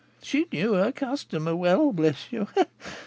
She knew her customer well, bless you!